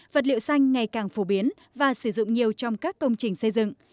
vật liệu xanh ngày càng phổ biến và sử dụng nhiều trong các công trình xây dựng